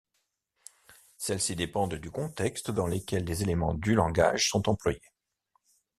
Celles-ci dépendent du contexte dans lequel les éléments du langage sont employés.